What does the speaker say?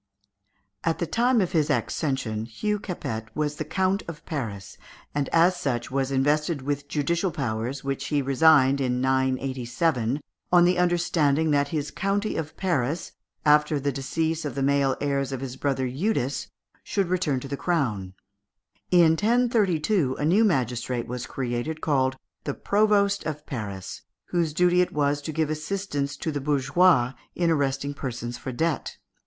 At the time of his accession, Hugh Capet was Count of Paris, and as such was invested with judicial powers, which he resigned in 987, on the understanding that his county of Paris, after the decease of the male heirs of his brother Eudes, should return to the crown. In 1032, a new magistrate was created, called the Provost of Paris, whose duty it was to give assistance to the bourgeois in arresting persons for debt.